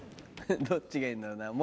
どっちがいいんだろうな森